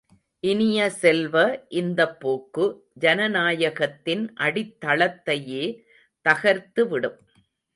இனிய செல்வ, இந்தப் போக்கு ஜனநாயகத்தின் அடித்தளத்தையே தகர்த்து விடும்.